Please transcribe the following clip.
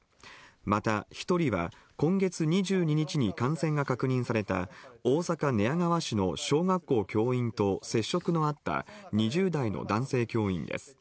また、１人は今月２２日に感染が確認された大阪・寝屋川市の小学校教員と接触のあった２０代の男性教員です。